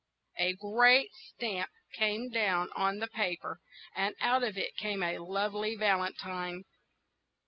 a great stamp came down on the paper, and out of it came a lovely valentine.